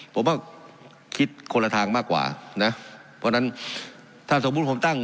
ผมว่าคิดคนละทางมากกว่านะเพราะฉะนั้นถ้าสมมุติผมตั้ง